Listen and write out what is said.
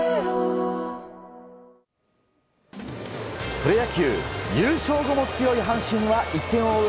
プロ野球、優勝後も強い阪神は１点を追う